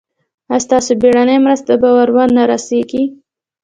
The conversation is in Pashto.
ایا ستاسو بیړنۍ مرسته به ور نه رسیږي؟